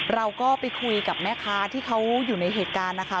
เราก็ไปคุยกับแม่ค้าที่เขาอยู่ในเหตุการณ์นะคะ